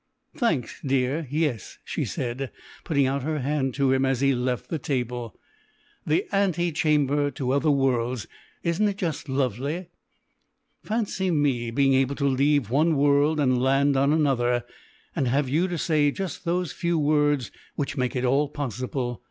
"Thanks, dear, yes," she said, putting out her hand to him as he left the table, "the ante chamber to other worlds. Isn't it just lovely? Fancy me being able to leave one world and land on another, and have you to say just those few words which make it all possible.